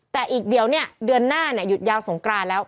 แต่อีกเดี๋ยวเนี่ยเดือนหน้าหยุดยาวสงกรานแล้ว